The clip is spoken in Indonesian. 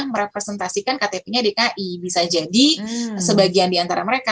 merepresentasikan ktp nya dki bisa jadi sebagian di antara mereka